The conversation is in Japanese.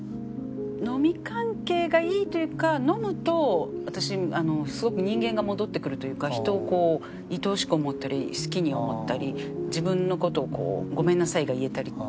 飲み関係がいいというか飲むと私すごく人間が戻ってくるというか人をこういとおしく思ったり好きに思ったり自分の事を「ごめんなさい」が言えたりって。